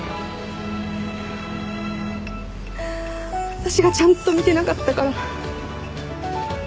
私がちゃんと見てなかったから。